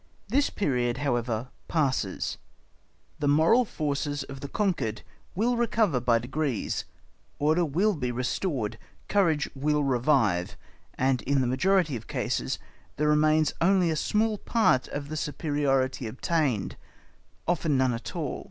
This period, however, passes; the moral forces of the conquered will recover by degrees, order will be restored, courage will revive, and in the majority of cases there remains only a small part of the superiority obtained, often none at all.